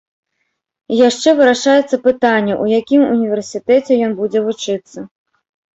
І яшчэ вырашаецца пытанне, у якім універсітэце ён будзе вучыцца.